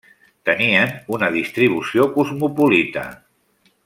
Tenien una distribució cosmopolita.